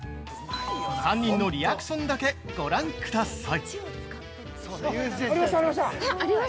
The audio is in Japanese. ３人のリアクションだけご覧ください。